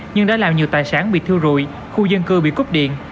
nhưng đã làm nhiều tài sản bị thiêu rụi khu dân cư bị cúp điện